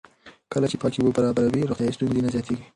کله چې پاکې اوبه برابرې وي، روغتیایي ستونزې نه زیاتېږي.